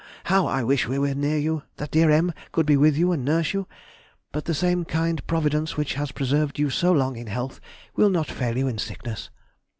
How I wish we were near you, that dear M. could be with you and nurse you. But the same kind Providence which has preserved you so long in health will not fail you in sickness.